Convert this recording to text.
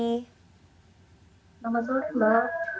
selamat sore mbak